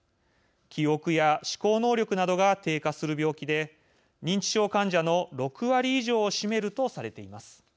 記憶や思考能力などが低下する病気で認知症患者の６割以上を占めるとされています。